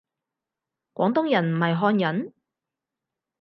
廣東人唔係漢人？